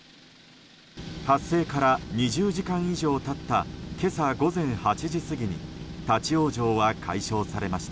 発生から、２０時間以上経った今朝午前８時過ぎに立ち往生は解消されました。